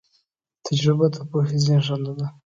تجربه د پوهې زېږنده ده.